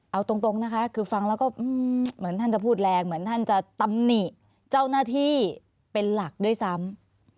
เอาตรงนะคะคือฟังแล้วก็เหมือนท่านจะพูดแรงเหมือนท่านจะตำหนิเจ้าหน้าที่เป็นหลักด้วยซ้ำ